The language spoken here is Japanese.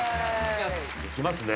いきますね。